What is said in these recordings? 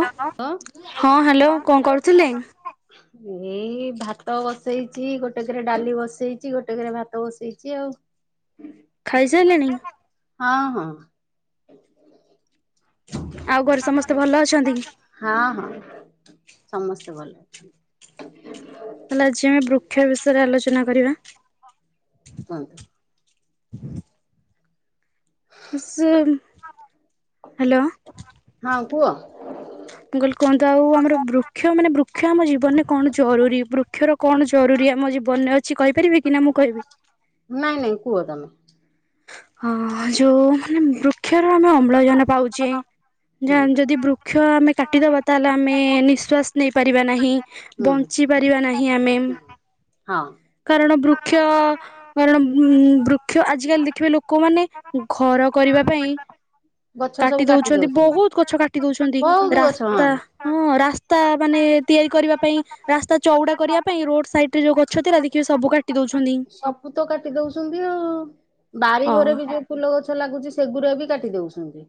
ଅଁ ହ୍ୟାଲୋ। ହଁ ହ୍ୟାଲୋ କଣ କରୁଥିଲେ? ଏଇ ଭାତ ବସେଇଚି ଗୋଟେ କେରେ ଡାଲି ବସେଇଚି ଗୋଟେ କେରେ ଭାତ ବସେଇଚି ଆଉ। ଖାଇସାଇଲେଣି। ହଁ ହଁ ଆଉ ଘରେ ସମସ୍ତେ ଭଲ ଅଛନ୍ତି କି। ହଁ ହଁ ସମସ୍ତେ ଭଲ ଅଛନ୍ତି। ତାହେଲେ ଆଜି ଆମେ ବୃକ୍ଷ ବିଷୟରେ ଆଲୋଚନା କରିବା। କୁହନ୍ତୁ। ଏ ସେମ୍ ହ୍ୟାଲୋ। ହଁ କୁହ। ମୁଁ କହିଲି କୁହନ୍ତୁ। ଆଉ ଆମର ବୃକ୍ଷ ମାନେ ବୃକ୍ଷ ଆମ ଜୀବନରେ କଣ ଜରୁରୀ ବୃକ୍ଷର କଣ ଜରୁରୀ ଆମ ଜୀବନରେ ଅଛି କହିପାରିବେ କି ନା ମୁଁ କହିବି। ନାଇଁ ନାଇଁ କୁହ ତମେ। ହଁ ଯୋଉ ମାନେ ବୃକ୍ଷରୁ ଆମେ ଅମ୍ଳଜାନ ପାଉଚେ। ଜାଣ ଯଦି ବୃକ୍ଷ ଆମେ କାଟିଦେବା ତାହେଲେ ଆମେ ନିଶ୍ୱାସ ନେଇପାରିବା ନାହିଁ। ହୁଁ। ବଞ୍ଚିପାରିବା ନାହିଁ ଆମେ। ହୁଁ ହଁ କାରଣ ବୃକ୍ଷ କାରଣ ଉଁ ବୃକ୍ଷ ଆଜି କାଲି ଦେଖ ଦେଖିବେ ଲୋକମାନେ ଘର କରିବା ପାଇଁ କାଟି ଦଉଛନ୍ତି ବହୁତ ଗଛ କାଟି ଦଉଛନ୍ତି। ବହୁତ ଗଛ ହଁ। ରାସ୍ତା ହଁ ରାସ୍ତା ମାନେ ତିଆରି କରିବା ପାଇଁ ରାସ୍ତା ଚଉଡା କରିବା ପାଇଁ ରୋଡ଼ ସାଇଟରେ ଯୋଉ ଗଛ ଥିଲା ଦେଖିବେ ସବୁ କାଟି ଦଉଛନ୍ତି। ସବୁ ତ କାଟି ଦଉଚନ୍ତି ଆଉ। ବାଡ଼ି ହଁ ଘରେ ବି ଯୋଉ ଫୁଲ ଗଛ ଲାଗୁଚି ସେଗୁଡ଼ା ବି କାଟି ଦଉଚନ୍ତି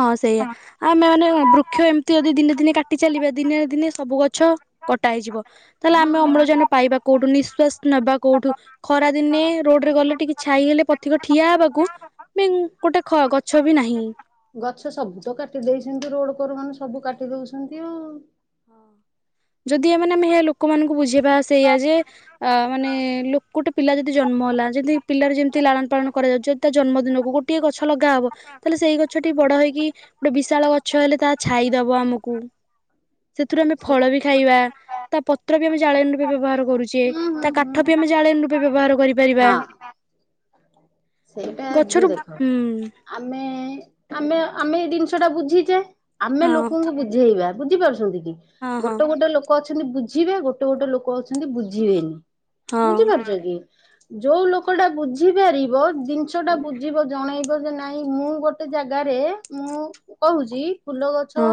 ହଁ ସେଇଆା ଆମେ ମାନେ ବୃକ୍ଷ ଏମିତି ଯଦି ଦିନେ ଦିନେ କାଟି ଚାଲିବା ଦିନେ ଦିନେ ସବୁ ଗଛ କଟା ହେଇଯିବ ତାହେଲେ ଆମେ ହଁ। ଅମ୍ଳଜାନ ପାଇବା କୋଉଠୁ ନିଶ୍ବାାସ ନେବା କୋଉଠୁ। ଖରା ଦିନେ ରୋଡରେ ଗଲେ ଟିକେ ଛାଇହେଲେ ପଥିକ ଠିଆ ହେବାକୁ ମେନ୍ ଗୋଟେ ଖ ଗଛ ବି ନାହିଁ। ଗଛ ସବୁ ତ କାଟି ଦେଇଚନ୍ତି ରୋଡ୍ କର ମାନେ ସବୁ କାଟି ଦଉଚନ୍ତି ଆଉ। ଯଦି ମାନେ ଆମେ ଲୋକମାନଙ୍କୁ ବୁଝେଇବା ସେଇଆ ଯେ ଆ ମାନେ ଲୋକଟେ ପିଲା ଯଦି ଜନ୍ମ ହେଲା ଯେମିତି ପିଲାର ଯେମିତି ଲାଳନ ପାଳନ କରାଯାଉଚି ତା ଜନ୍ମଦିନକୁ ଗୋଟିଏ ଗଛ ଲଗା ହବ ତାହେଲେ ସେଇ ଗଛଟି ବଡ ହେଇକି ଗୋଟେ ବିଶାଳ ଗଛ ହେଲେ ତା ଛାଇଦବ ଆମକୁ। ସେଥିରୁ ଆମେ ସେ ଫଳ ବି ଖାଇବା ତା ପତ୍ର ବି ଆମେ ଜାଳଣୀରେ ବି ବ୍ୟବହାର କରୁଚେ ହୁଁ ହୁଁ ତା କା ଠ ବି ଆମେ ଜାଳେଣି ରୂପେ ବ୍ୟବହାର ହୁଁ କରିପାରିବା। ହଁ। ସେଇଟା ଝିଅ ଗଛରୁ ଦେଖ ହୁଁ ଆମେ ଆମେ ଆମେ ଏଇ ଜିନିଷଟା ବୁଝିଚେ ଆମେ ହଁ ଲୋକଙ୍କୁ ବୁଝେଇବା ବୁଝିପାରୁଚନ୍ତି କି ହଁ ହଁ ଗୋଟେ ଗୋଟେ ଲୋକ ଅଛନ୍ତି ବୁଝିବେ ଗୋଟେ ଗୋଟେ ଲୋକ ଅଛନ୍ତି ବୁଝିବେନି। ହଁ ବୁଝିପାରୁଚ କି ଯୋଉ ଲୋକଟା ବୁଝିପାରିବ ଜିନିଷଟା ବୁଝିବ ଜଣେଇବ ଯେ ନାଇଁ ମୁଁ ଗୋଟେ ଜାଗାରେ ମୁଁ କହୁଚି ଫୁଲ ହଁ ଗଛ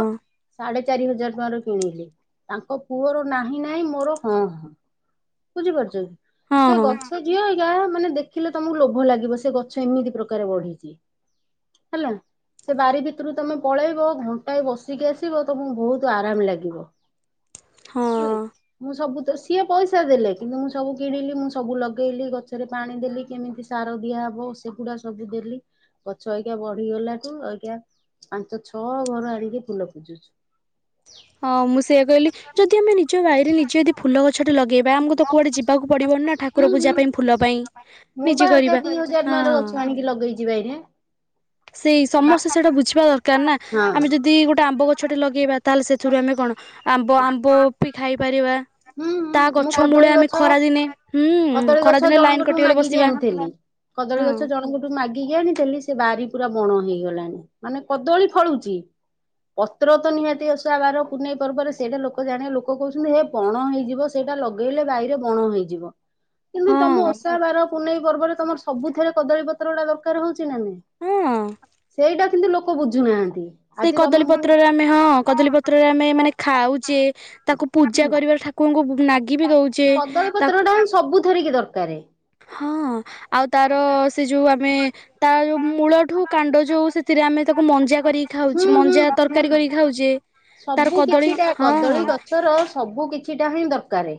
ସାଡେ ଚାରି ହଜାର ଟଙ୍କାରୁ କିଣିଲି ତାଙ୍କ ପୁଅର ନାହିଁ ନାହିଁ ମୋର ହଁ ହଁ। ବୁଝିପାରୁଚ କି ସେ ହଁ ଗଛ ସେ ଝିଅ [unintelligible] ମାନେ ଦେଖିଲେ ତମକୁ ଲୋଭ ଲାଗିବ ସେ ଗଛ ଏମିତି ପ୍ରକାର ବଢିଚି। [unintelligible] ସେ ବାରି ଭିତରକୁ ତମେ ପଳେଇବ ଘଣ୍ଟାଏ ବସିକି ଆସିବ ତମକୁ ବହୁତ ଆରାମ ଲାଗିବ। ହଁ ହେଲେ ହଁ ମୁଁ ସବୁ ତ ସିଏ ପଇସା ପଇସା ଦେଲେ କିନ୍ତୁ ମୁଁ ସବୁ କିଣିଲି ମୁଁ ସବୁ ଲଗେଇଲି ଗଛରେ ପାଣି ଦେଲି କେମିତି ସାର ଦିଆହବ। ସେଗୁଡା ସବୁ ଦେଲି ଗଛ ଏଇକିଆ ବଢିଗଲାଠୁ ଏ ପାଞ୍ଚ ଛଅ ଘର ଆଣିକି ଫୁଲ ପୂଜୁଚି। ହଁ ମୁଁ ସେଇଆା କହିଲି ଯଦି ଆମେ ନିଜ ବାଇରେ ନିଜ ଯଦି ଫୁଲ ଗଛଟେ ଲଗେଇବା ଆମକୁ ତ କୁଆଡେ ଯିବାକୁ ପଡିବନି ନା ଠାକୁର ହୁଁ ହୁଁ ପୂଜା ପାଇଁ ଫୁଲ ପାଇଁ। ମୁଁ ନିଜେ ବା ଅଇଖା କରିବା ଦୁଇ ହଜାର ହଁ ଟଙ୍କାର ଗଛ ଆଣିକି ଲଗେଇଚି ବାଇରେ। ସେଇ ବା ସମସ୍ତେ ସେଇଟା ବୁଝିବା ଦରକାର ନା ହଁ। ଆମେ ଯଦି ଗୋଟେ ଆମ୍ବ ଗ ଛଟେ ଲଗେଇବା ତାହେଲେ ସେଥିରୁ ଆମେ କଣ ଆମ୍ବ ଆମ୍ବ ବି ଖାଇପାରିବା। ହୁଁ ହୁଁ ତା ମୁଁ ଗଛ କଦଳୀ ମୂଳେ ଆମେ ଗଛ ଖରା ଦିନେ ଉଁ କଦଳୀ ଖରା ଗଛ ଦିନେ ଲାଇନ୍ ଜଣଙ୍କଠୁ କଟିଗଲେ ମାଗିକି ବସିବା। ଆଣିଥିଲି। କଦଳୀ ହଁ ଗଛ ଯ ଜଣଙ୍କଠୁ ମାଗିକି ଆଣିଥିଲି ସେ ବାରି ପୁରା ବଣ ହେଇଗଲାଣି ମାନେ କଦଳୀ ଫଳୁଚି ପତ୍ର ତ ନିହାତି ଓଷା ବାର ପୁନେଇଁପର୍ବରେ ସେଇଟା ଲୋକ ଜାଣିବେ ଲୋକ କହୁଚନ୍ତି ହେ ବଣ ହେଇଯିବ ସେଇଟା ଲଗେଇଲେ ବାଇରେ ବଣ ହେଇଯିବ। କିନ୍ତୁ ହଁ ତମ ଓଷା ବାର ପୁନେଇଁ ପର୍ବରେ ତମର ସବୁଥିରେ କଦଳୀପତ୍ ତ୍ରଟା ଦରକାର ହଉଚି ନା ନାଇଁ ହଁ ସେଇଟା କିନ୍ତୁ ଲୋକ ବୁଝୁନାହାନ୍ତି। ସେଇ ଆଜି ତମ କଦଳୀ ମୁଁ ପତ୍ରରେ ଆମେ ହଁ କଦଳୀ ପତ୍ରରେ ଆମେ ମାନେ ଖାଉଚେ ତାକୁ ପୂଜା କରିବାର ଠାକ୍ କୁଙ୍କୁ ନାଗି ବି ଦଉ। କଦଳୀପତ୍ରଟା ହିଁ ସବୁ ଥିରେକି ଦରକାର। ହଁ ଆଉ ତାର ସେ ଯୋଉ ଆମେ ତା ଯେଉଁ ମୂଳଠୁ କାଣ୍ଡ ଯେଉ ସେଥିରେ ଆମେ ତାକୁ ମଞ୍ଜା କରିିକି ହୁଁ ଖାଉଚେ ହୁଁ ମଞ୍ଜା ତରକାରୀ କରିକି ହୁଁ। ଖାଉଚେ ତାର ସବୁ କଦଳୀ କିଛିଟା ହଁ କଦଳୀ ଗଛର ସବୁ କିଛିଟା ହିଁ ଦରକାର।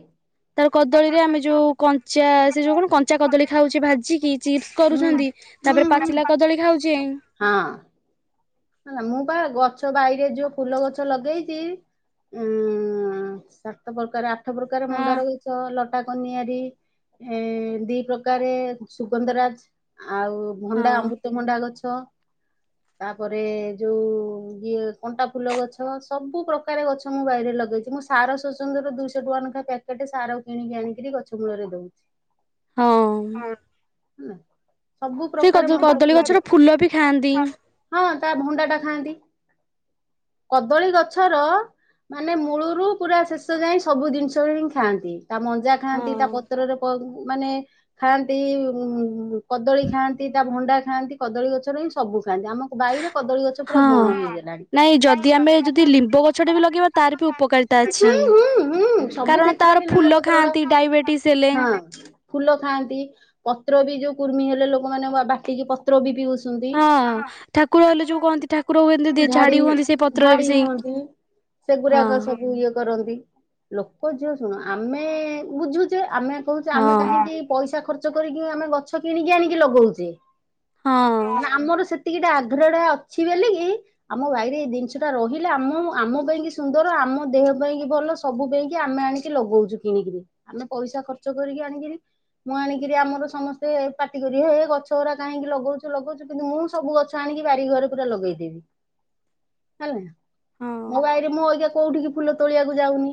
ତା କଦଳୀରେ ଆମେ ଯୋଉ କଞ୍ଚା ସେ ଯଉ କଣ କଞ୍ଚା କଦଳୀ ଖାଉଛେ ଭାଜିକି ଚିପ୍ସ୍ ହୁଁ କରୁଛନ୍ତି ହୁଁ ତାପରେ ହୁଁ। ପାଚିଲା କଦଳୀ ଖାଉଛିେଁ ହଁ। ହେଲା ମୁଁ ବା ଗଛ ବାଇରେ ଯଉ ଫୁଲ ଗଛ ଲଗେଇଛି ଉଁ ସାତ ପ୍ରକାର ଆଠ ପ୍ରକାର ହଁ ମନ୍ଦାର ଗଇଛ ଲ କଟା କନିଆରି ଏ ଦି ପ୍ରକାରେ ସୁଗନ୍ଧରାଜ୍ ଆଉ ଭଣ୍ଡା ହଁ ଅମୃତମଣ୍ଡା ଗଛ ତାପରେ ଯୋଉ ଇଏ କଣ୍ଟା ଫୁଲ ଗଛ ସବୁ ପ୍ରକାର ଗଛ ମୁଁ ବାଡିରେ ଲଗେଇଛି ମୁଁ ସାର ସ୍ୱସନ୍ଦ୍ର ର ଦୁଇଶହ ଟଙ୍କା ଲେଖା ପ୍ୟା ହେଟୁ ସାର କିଣିକି ଆଣିକିରି ଗଛ ମୂଳରେ ଦଉ। ହଁ ହୁଁ ସବୁ ପ୍ରକାର ମନ୍ଦାର ଫୁଲ ହୁଏ। ଥାଆନ୍ତିି। ହଁ ତା ଭଣ୍ଡା ଟା ଖାଆନ୍ତି କଦଳୀ ଗଛର ମାନେ ମୂଳରୁ ପୁରା ଶେଷ ଯାଏଁ ସବୁ ଜିନ୍ଷ ହିଁ ଖାଆନ୍ତି ତା ମଞ୍ଜା ଖାଆନ୍ତି ତା ହଁ ପତ୍ରରେ ବ ମାନେ ଖାଆନ୍ତି ଉ କଦଳୀ ଖାନ୍ତି ତା ଭଣ୍ଡା ଖାନ୍ତି କଦଳୀ ଗଛର ହିଁ ସବୁ ଖାଆନ୍ତି ଆମ ବାଇରେ କଦଳୀ ଗଛ ପୁରା ହଁ ବଣା ହେଇଗଲାଣି। ନାଇଁ ଯଦି ଆମେ ଯଦି ଲିମ୍ବ ଗଛଟେ ବି ଲଗେଇବା ତାର ବି ଉପକାରିତା ଅଛି। ହୁଁ ହୁଁ ହୁଁ ସବୁ କାରଣ ତାର କ୍ଷେତ୍ରରେ ନିମ ଫୁଲ ପତ୍ର ଟା ଖାଆନ୍ତି ଡାଇବେଟିସ ହେଲେ ହଁ। ଫୁଲ ଖାଆନ୍ତି ପତ୍ର ବି ଯୋଉ କୁର୍ମି ହେଲେ ଲୋକମାନେ ବାଟିକି ପତ୍ର ବି ପିଉଛନ୍ତି। ହଁ ଠାକୁର ହେଲେ ଯୋଉ କହନ୍ତି ଠାକୁର ହଅନ୍ତି ଝାଡି ହୁଅନ୍ତି ସେଇ ପତ୍ରରେ ଝାଡି ବି ସେଇ। ହୁଅନ୍ତି ହଁ ସେଗୁରାକ ସବୁ ଇଏ କରନ୍ତି। ଲୋକ ଝିଅ ଶୁଣ ଆମେ ବୁଝୁଛେ ଆମେ କହୁଛେ ହଁ ଆମେ କାହିଁକି ପଇସା ଖ ର୍ଚ୍ଚ କରି କିବି ଆମେ ଗଛ କିଣିକି ଆଣିକି ଲଗଉଛେ ହଁ ମାନେ ଆମର ସେତିକିଟାଆ [unintelligible] ଅଛି ବେଲି କି ଆମ ଭାଇରେ ଏଇ ଜିନ୍ଷ ଟା ରହିଲା ଆମ ଆମ ପାଇଁକି ସୁନ୍ଦର ଆମ ଦେହ ପାଇଁକି ଭଲ। ସବୁ ଦେଇକି ଆମେ ଆଣିକି ଲଗଉଛୁ କିଣିକିରି ଆମେ ପଇସା ଖର୍ଚ୍ଚ କରିକି ଆଣିକିରି ମୁଁ ଆଣିକିରି ଆମର ସମସ୍ତେ ପାଟି କରିବେ ଏ ଗଛ ଗୁରା କାହିଁକି ଲଗଉଛୁ ଲଗଉଛୁ କିନ୍ତୁ ମୁଁ ସବୁ ଗ ଛ ଆଣିକି ବାରି ଘରେ ପୁରା ଲଗେଇଦେବି ହେଲା। ହଁ ମୋ ବାଇରେ ମୁଁ ଆଜ୍ଞା କୋଉଠିକି ଫୁଲ ତୋଳିଆକୁ ଯାଉନି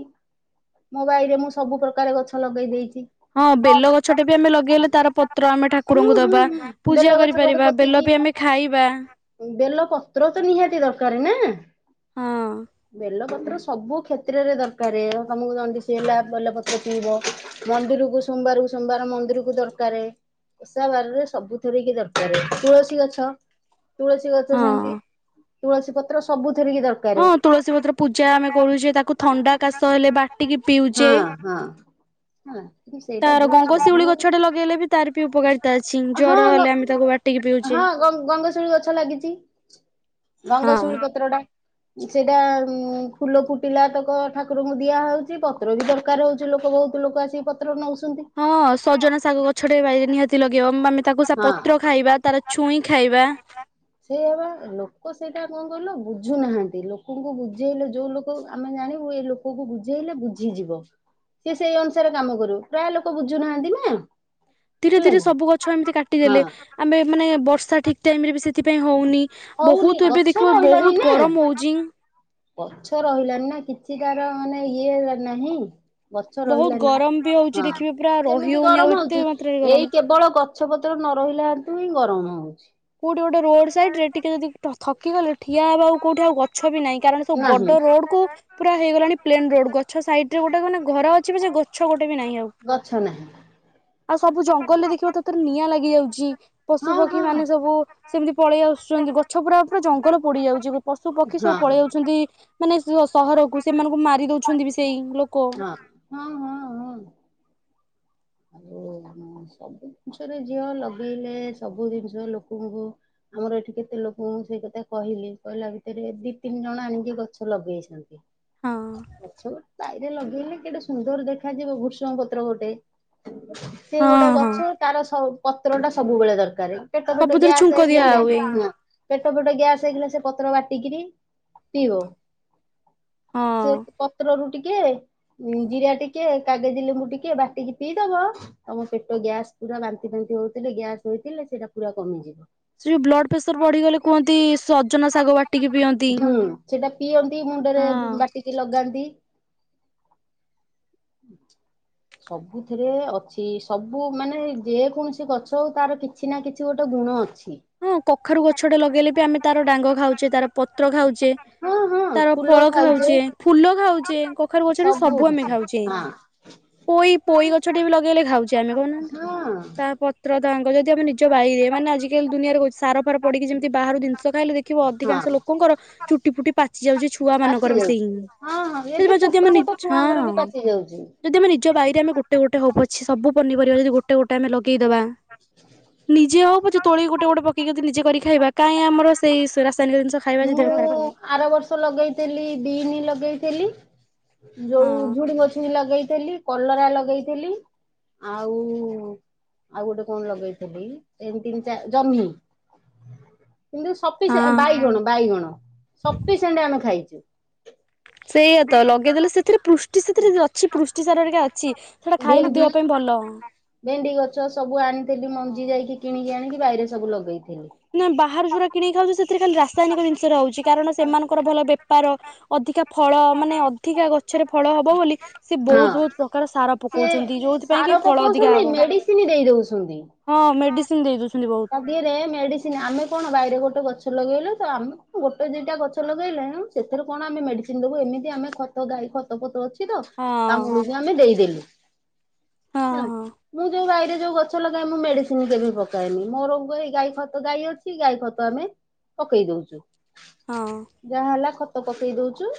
ମୋ ବାଇରେ ମୁଁ ସବୁ ପ୍ରକାର ଗଛ ଲଗେଇ ଦେଇଚି। ହଁ ବେଲ ଗଛ ଟେ ବି ଆମେ ଲଗେଇଲେ ତାର ପତ୍ର ଆମେ ହୁଁ ଠାକୁରଙ୍କୁ ହୁଁ ଦବା ହୁଁ ପୂଜା ବେଲ ଗଛ ଗୋଟେ କରିପାରିବା ବେଲ ପୋତିଚି। ବି ଆମେ ଖାଇବା। ବେଲ ପତ୍ର ତ ନିହାତି ଦର୍କାରେ ନା? ହଁ ବେଲପତ୍ର ସବୁ କ୍ଷେତ୍ରରେ ଦର୍କାରେ ର ତମକୁ ଦଣ୍ଡିସି ହେଲା ବେଲପତ୍ର ପିଇବ ମନ୍ଦିରକୁ ସୋମ୍ବାର୍ କୁ ସୋମ୍ବାର ମନ୍ଦିରକୁ ଦର୍କାରେ। ଓଷା ବାର୍ ରେ ସବୁ ଥୀରେ କି ଦର୍କାରେ ତୁଳସୀ ଗଛ ତୁଳସୀ ଗଛ ହଁ ସେମିତି ତୁଳସୀ ପତ୍ର ସବୁଥିରିକି ଦର୍ ହଁ ତୁଳସୀ ପତ୍ର ପୂଜା ଆମେ କରୁଛେ ତାକୁ ଥଣ୍ଡା, କାଶ ହେଲେ ବାଟିକି ହଁ ପିଉଚେ। ହଁ। [unintelligible] ତାର ଗଙ୍ଗଶିଉଳି ସବୁ ଗଛ ଟେ ଲଗେଇଲେ ବି ତାର ବି ଉପକାରିତା ଅଛି ହଁ ଜର ହେଲେ ଆମେ ତାକୁ ବା ହଁ ଗଙ୍ଗ ଗଙ୍ଗ ଶିଉଳି ଗଛ ଲାଗିଛି ହଁ। ରଙ୍ଗଶିଉଳି ପତ୍ର ଟା ସେ ଟା ଫୁଲ ଫୁଟିଲା ତକ ଠାକୁରଙ୍କୁ ଦିଆହେଉଛି ପତ୍ର ବି ଦର୍କାରେ ହଉଛି ଲୋକ ବହୁତ୍ ଲୋକ ଆସି ତାର ନେଉଛନ୍ତି। ହଁ ସଜନା ଶାଗ ଗଛଟେ ବାଇରେ ନିହାତି ଲଗେଇବ ମାନେ ତାକୁ ସେ ହଁ। ପତ୍ର ଖାଇବା ତାାର ଛୁଇଁ ଖାଇବା ସେଇଆବା ଲୋକ ସେଇଟା କଣ କଲ ବୁଝୁନାହାନ୍ତି ଲୋକଙ୍କୁ ବୁଝେଇଲେ ଯୋଉ ଲୋକ ଆମେ ଜାଣିବୁ ଏଇ ଲୋକ ପୋକକୁ ବୁଝେଇଲେ ବୁଝିଯିବ। ସିଏ ସେଇ ଅନୁସାରେ କାମ କରୁ ପ୍ରାୟ ଲୋକ ବୁଝୁନାହାନ୍ତି ନା। ଧୀରେ ହେଲା ଧୀରେ ସବୁ ଗଛ ଏମିତି କି ହଁ। କାଟିଦେଲେ ଆମେ ମାନେ ବର୍ଷା ଠିକ୍ ଟାଇମ ରେ ବି ସେଥିପାଇଁ ହଉନି। ହଉନି ବହୁତ ଏବେ ଗଛ ଦେଖିବ ବହୁତ ଗରମ ହଉଛି। ପଛ ରହିଲାନି ନା କିଛି ତାର ମାନେ ଇଏ ନାହିଁ। ଗଛ ବହୁତ ରହିଲାନି ଗରମ ବି ହଉଛି ହଁ ଦେଖିବେ ପୁରା ରହି କେମିତି ହଉନି ଆଉ ଗରମ ଏତେ ହଉଛି ମାତ୍ରାରେ ଗରମ। ଏଇ କେବଳ ଗଛ ପତ୍ର ନ ରହିଲାଠୁ ହିଁ ଗରମ ହଉଛି। କୋଉଠି ଗୋଟେ ରୋଡ ସାଇଡ ରେ ଟିକେ ଯଦି ଥକି ଗଲେ ଠିଆ ହେବା ଆଉ କୋଉଠି ଆଉ ଗଛ ବି ନାହିଁ କାରଣ ସବୁ ନାହିଁ। ବଡ ରୋଡ କୁ ପୁରା ହେଇଗଲାଣି ପ୍ଲେନ ରୋଡ ଗଛ ସାଇଡ ରେ ଗୋଟେ ମାନେ ଘର ଅଛି ସେ ଗଛ ଗୋଟେ ବି ନାହିଁ ଆଉ। ନା। ଆଉ ସବୁ ଜଙ୍ଗଲରେ ଦେଖିବ ଥରେ ଥରେ ନିଆଁ ଲାଗି ଯାଉଛି ପଶୁ ହଁ ହଁ ପକ୍ଷୀ ମାନେ ସବୁ ସେମିତି ପଳେଇ ଆସୁଛନ୍ତି ଗଛ ପୁରା ପୁରା ଜଙ୍ଗଲ ପୋଡି ଯାଉଛି। ପଶୁ ପକ୍ଷୀ ହଁ ସବୁ ହଁ ପଳେଇ ଯାଉଛନ୍ତି ମାନେ ସହରକୁ ସେମାନଙ୍କୁ ମାରି ଦଉଛନ୍ତି ବି ସେଇ ଲୋକ। ହଁ ହଁ ହଁ। ଓ ହଁ। ସବୁ ଜିନିଷରେ ଝିଅ ଲଗେଇଲେ ସବୁ ଜିନିଷ ଲୋକଙ୍କୁ ଆମର ଏଠି କେତେ ଲୋକଙ୍କୁ ମୁଁ ସେଇ କଥା କହିଲି କହିଲା ଭିତରେ ଦି ତିନି ଜଣ ଆଣିକି ଗଛ ଲଗେଇ ଚନ୍ତି। [unintelligible] ହଁ। ଗଛ ଗୋଟେ ବାଇରେ ଲଗେଇଲେ କେଟେ ସୁନ୍ଦର ଦେଖାଯିବ ଭୃଷୁଙ୍ଗ ପତ୍ର ଗୋଟେ ସେ ହଁ ଗୋଟେ ହଁ ଗଛ ତାର ସ ପତ୍ର ଟା ସବୁବେଳେ ଦରକାର ପେଟ ଫେଟ ସବୁଥିରେ ଛୁଙ୍କ ଗ୍ୟାସ ଦିଆ ହେଇଗଲେ। ହୁଏ ପେଟ ଫେଟ ଗ୍ୟାସ୍ ହେଇକଥିଲା ସେ ପତ୍ର ବାଟିକରି ପିଇଵ ହଁ ସେ ପତ୍ରରୁ ଟିକେ ଜିରା ଟିକେ କାଗଜ ଲେମ୍ବୁ ଟିକେ ବାଟିକି ପିଇଦବ ତମ ପେଟ ଗ୍ୟାସ ପୁରା ବାନ୍ତି ଫାନ୍ତି ହଉଥିଲେ ଗ୍ୟାସ ହେଇଥିଲେ ସେଇଟା ପୁରା କମିଯିବ। ସେ ଯୋଉ ବ୍ଲଡ ପ୍ରେସର ବଢିଗଲେ କୁହନ୍ତି ସଜନା ଶାଗ ବାଟିକି ପିଅନ୍ତି। ହୁଁ ସେଇଟା ପିଅନ୍ତି ମୁଣ୍ଡରେ ହଁ ବାଟି କି ଲଗାନ୍ତି ସବୁଥିରେ ଅଛି। ସବୁ ମାନେ ଯେକୌଣସି ଗଛ ହଉତାର କିଛି ନା କିଛି ଗୋଟେ ଗୁଣ ଅଛି। ହଁ କଖାରୁ ଗଛଟେ ଲଗେଇଲେ ବି ଆମେ ତାର ଡାଙ୍ଗ ଖାଉଛେ ତାର ପତ୍ର ଖାଉଛେ। ହଁ ହଁ ତାର ଫୁଲ ଫଳ ଖାଉଛେ ଫୁଲ ଖାଉଛେ କଖାରୁ ଗଛରେ ସବୁ ଆମେ କିଛି ଖାଉଚେ। ହଁ। ପୋଇ ପୋଇ ଗଛଟେ ବି ଲଗେଇଲେ ଖାଉଚେ ଆମେ କହୁନ ହଁ ତା ପ ପତ୍ର ତାଙ୍ଗ ଯଦି ଆମେ ନିଜ ବାାଇରେ ମାନେ ଆଜିକାଲି ଦୁନିଆରେ ସାର ପଡିକି ଯେମିତି ବାହାରୁ ଜିନିଷ ଖାଇଲେ ଦେଖିବ ଅଧିକାଂଶ ହଁ। ଲୋକଙ୍କର ଚୁଟି ଫୁଟି ପାଚି ଯାଉଛି ଛୁଆ ପାଚି ମାନଙ୍କର ବି ସେଇ ଯାଉଛି ହିଁ। ହଁ ହଁ ଏବେ ସେଥିପାଇ ଛୋଟ ଯଦି ଆମେ ଛୋଟ ନିଛ ଛୁଆଙ୍କର ବି ପାଚି ଯାଉଛି। ହଁ ଯଦି ଆମେ ନିଜ ବାାଇରେଆମେ ଗୋଟେ ଗୋଟେ ହଉ ପଛେ ସବୁନିପରିବା ଯଦି ଗୋଟେ ଗୋଟେ ଆମେ ଲଗେଇଦବା ନିଜେ ହଉ ପଛେ ଗୋଟେ [unintelligible] ତୋଳିକି ଗୋଟେ ପକେଇ ନିଜେ କରି ଖାଇବା କାଇଁ ଆମର ସେଇ ରାସାୟନିକ ଜିନିଷ ଖାଇବା ଦେହ ମୁଁ ଖରାପ ହବ। ଆର ବର୍ଷ ଲଗେଇଥିଲି ବିନ ଲଗେଇଥିଲି ଯୋଉ ଝୁଡିଙ୍ଗ ଛୁଇଁ ଲଗେଇଥିଲି କଲରା ଲଗେଇଥିଲି ଆଉ ଆଉ ଗୋଟେ କଣ ଲଗେଇଥିଲି ତିନ ତିନି ଜହ୍ନି। କିନ୍ତୁି ସପିସେଣ୍ଟ ହଁ ବାଇଗଣ ବାଇଗଣ ସଫିସିଏଣ୍ଟ ଆମେ ଖାଇଛୁ। ସେଇଆ ତ ଲଗେଇଦେଲେ ସେଥିରେ ପୃଷ୍ଟି ସେଥିରେ ଅଛି ପୃଷ୍ଟି ସାର ଆରିକା ଅଛି। ସେଇଟା ଖାଇଲେ ଭେଣ୍ଡି ଦେହ ପାଇଁ ଭଲ ହ ଭେଣ୍ଡି ଗଛ ସବୁ ଆଣିଥିଲି ମଞ୍ଜି ଯାଇକି କିଣିକି ଆଣିକି ବାଇରେ ସବୁ ଲଗେଇଥିଲି। ନା ବାହାରେ ଯୋଉରା କିଣିକି ଖାଉଛ। ସେଥିରେ ଖାଲି ରାସାୟନ ଜିନିଷ ରହୁଛି। କାରଣ ସେମାନଙ୍କର ଭଲ ବେପାର ଅଧିକା ଫଳ ମାନେ ଅଧିକା ଗଛରେ ଫଳ ହବ ବୋଲି ସେ ହଁ ବହୁତ ବହୁତ ପ୍ରକାର ସାର ସେ ପକଉଛନ୍ତି ଯୋଉଥିପାଇଁ କି ସାର ଫଳ ଅଧିକା ପକଉଛନ୍ତି ହବ। ମେଡିସିନ ଦେଇ ଦଉ ସୁନ୍ତି। ହଁ ମେଡ଼ିସିନ ଦେଇଦଉଛନ୍ତି ବହୁତ। ମଝିରେ ମେଡିସିନ ଆମେ କଣ ବାଇରେ ଗୋଟେ ଗଛ ଲଗେଇଲୁ ତ ଆମେ କ ଗୋଟେ ଦିଟା ଗଛ ଲଗେଇଲେ ସେଥିରେ କଣ ଆମେ ମେଡିସିନ ଦେବୁ। ଏମିତି ଆମେ ଖ ଗାଇ ଖତ ପତ ଅଛି। ହଁ [inaudible] ତା ମୂଳରେ ଆମେ ଦେଇଦେଲୁ ହଁ ହେଲା। ହଁ ମୁଁ ଯୋଉ ବାରିରେ ଯୋଉ ଗଛ ଲଗାଏ। ମୁଁ ମେଡିସିନ କେବେ ପକାଏନି। ମୋର ଏଇ ଗାଈ ଖତ ଗାଈ ଅଛି। ଗାଈ ଖତ ଆମେ ପକେଇ ଦଉଛୁ। ହଁ। ଯାହା ହେଲା ଖତ ପକେଇ ଦୋଉଛୁ।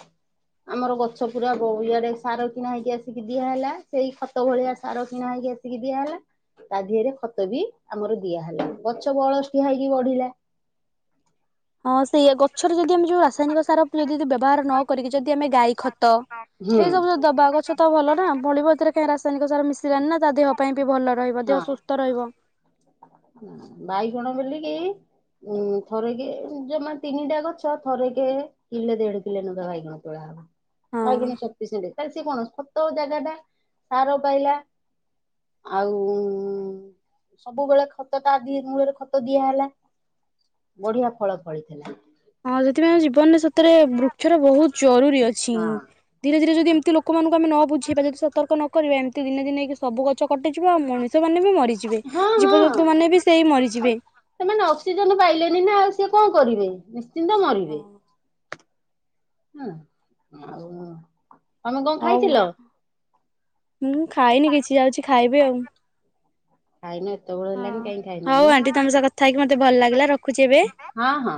ଆମର ଗଛ ପୁରା ବହିଆଡେ ସାର କିଣା ହେଇକି ଆସିକି ଦିଆହେଲା। ସେଇ ଖତ ଭଳିଆ ସାର କିଣା ହେଇକି ଆ ଦିଆହେଲା। ତା ଦେହରେ ଖତ ବି ଆମର ଦିଆହେଲା। ଗଛ ବଳ ଠିଆ ହେଇକି ବଢିଲା। ହଁ ସେୟା ଗଛରେ ଯଦି ଆମେ ଯୋଉ ରାସାୟନିକ ସାର ଯଦି ବ୍ୟବହାର ନ କରିକି ଯଦି ଆମେ ଗାଈ ଖତ ହୁଁ। ଏ ସବୁ ଯ ଦବା। ଗଛ ତ ଭଲ ନା ଭଳିବ ଏଥିରେ କାହିଁ ରାସାୟନିକ ସାର ମିଶିଲାନି ନା ତା ଦେହ ପାଇଁ ବି ଭଲ ରହିବ ଦେହ ହଁ ସୁସ ସ୍ଥ ରହିବ। ବାଇଗଣ ବିଲିକି ଉଁ ଥରେ କେ ଜମା ତିନିଟା ଗଛ ଥରେ କେ କିଲୋ ଦେଢ କିଲେ ନେକା ବାଇଗଣ ତୋଳା ହବ। ହଁ ବାଇଗଣ ଶକ୍ତି ସେମ ତାଲେ ସେ କଣ ତ ଜାଗା ଟା ସାର ପାଇଲା। ଆଉ ସବୁବେଳେ ଖତ ତା ଦି ମୂଳରେ ଖତ ଦିଆହେଲା। ବଢିଆ ଫଳ ଫଳିଥିଲା। ହଁ ସେଥିପାଇଁ ଆମ ଜୀବନରେ ସତରେ ବୃକ୍ଷର ବହୁତ ଜରୁରୀ ଅଛି। ହଁ। ଧୀରେ ଧୀରେ ଯଦି ଏମିତି ଲୋକମାନଙ୍କୁ ଆମେ ନ ବୁଝେଇବା ଯଦି ସତର୍କ ନ କରିବା ଏମିତି ଦିନେ ଦିନ ହେଇକି ସବୁ ଗଛ କଟିଯିବ। ଆଉ ମ ଣିଷ ମାନେ ବି ମରିଯିବେ। ହଁ ହଁ। ଜୀବଜନ୍ତୁମାନେ ବି ସେଇ ମରିଯିବେ। ସେମାନେ ଅକ୍ସିଜେନ ପାଇଲେନି ନା ଆଉ ସିଏ କଣ କରିବେ ନିଶ୍ଚିନ୍ତ ମରିବେ। ହୁଁ ଆଉ ତମେ କଣ ହଉ ଖାଇଥିଲ? ମୁଁ ଖାଇନି କିଛି ଯାଉଛି ଖାଇବି ଆଉ। ଖାଇନ ଏତ ବେ ହଁ ହଉ ଆଣ୍ଟି ତମ ସହ କଥା ହେଇକି ମତେ ଭଲ ଲାଗିଲା ରଖୁଛି ଏବେ। ହଁ ହଁ।